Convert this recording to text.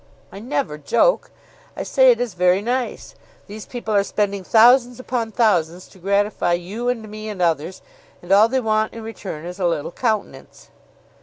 "I never joke. I say it is very nice. These people are spending thousands upon thousands to gratify you and me and others, and all they want in return is a little countenance."